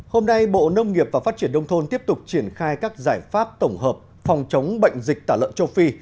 hôm nay bộ nông nghiệp và phát triển đông thôn tiếp tục triển khai các giải pháp tổng hợp phòng chống bệnh dịch tả lợn châu phi